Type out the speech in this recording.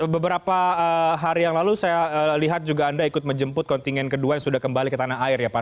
beberapa hari yang lalu saya lihat juga anda ikut menjemput kontingen kedua yang sudah kembali ke tanah air ya pak